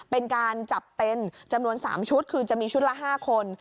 เป็นการจับเป็นจำนวน๓ชุดคือจะมีชุดละ๕คน